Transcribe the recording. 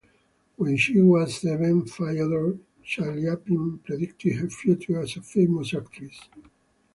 When she was seven, Fyodor Shalyapin predicted her future as a famous actress.